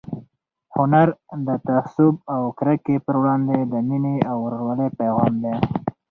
هنر د تعصب او کرکې پر وړاندې د مینې او ورورولۍ پيغام دی.